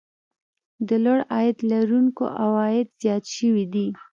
د لوړ عاید لرونکو عوايد زیات شوي دي